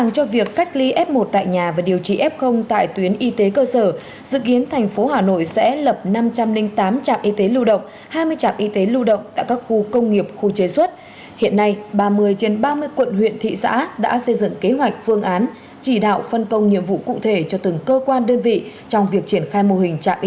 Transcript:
các bạn hãy đăng ký kênh để ủng hộ kênh của chúng mình nhé